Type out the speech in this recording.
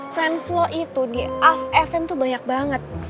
fans lo itu di as fm tuh banyak banget